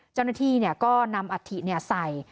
เจ้าหน้าที่ก็นำอัฐิใส่